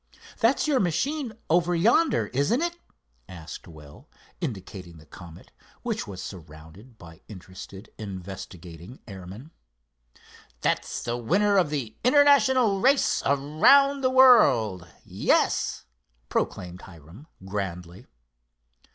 That's your machine over yonder; isn't it?" asked Will, indicating the Comet, which was surrounded by interested investigating airmen. "That's the winner of the international race around the world, yes," proclaimed Hiram grandly.